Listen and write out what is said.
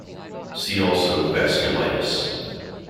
See also vasculitis.